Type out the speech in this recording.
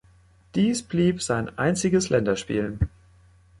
Dies blieb sein einziges Länderspiel.